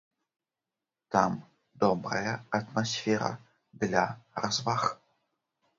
Там добрая атмасфера для разваг.